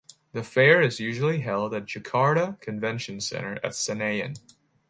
The fair is usually held at Jakarta Convention Center at Senayan.